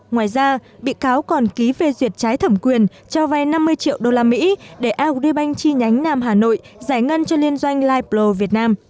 ngoài ra bị cáo còn ký về duyệt trái thẩm quyền cho vay năm mươi triệu đô la mỹ để agribank chi nhánh nam hà nội giải ngân cho liên doanh laiplo việt nam